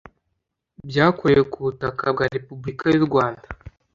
byakorewe ku butaka bwa repubulika y u rwanda